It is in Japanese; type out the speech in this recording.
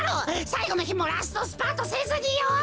さいごのひもラストスパートせずによ！